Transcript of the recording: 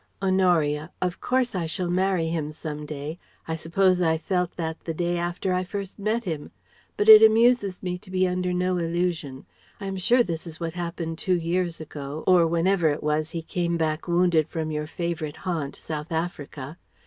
Honoria: "Of course I shall marry him some day. I suppose I felt that the day after I first met him. But it amuses me to be under no illusion. I am sure this is what happened two years ago or whenever it was he came back wounded from your favourite haunt, South Africa.